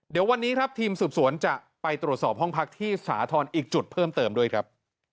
เดี๋ยววันนี้ครับทีมสืบสวนจะไปตรวจสอบห้องพักที่สาธรณ์อีกจุดเพิ่มเติมด้วยครับ